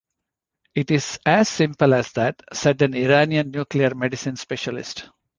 It's as simple as that, said an Iranian nuclear medicine specialist.